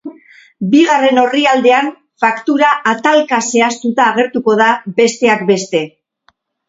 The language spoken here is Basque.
Bigarren orrialdean, faktura atalka zehaztuta agertuko da, besteak beste.